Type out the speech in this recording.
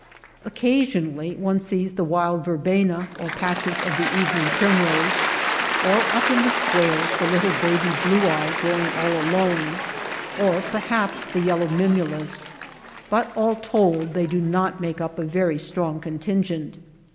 Occasionally one sees the wild verbena or patches of the evening primrose, or up in the swales the little baby blue eye grow ing all alone, or perhaps the yellow mimulus ; but all told they do not make up a very strong contingent.